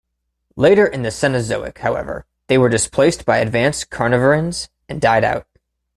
Later in the Cenozoic, however, they were displaced by advanced carnivorans and died out.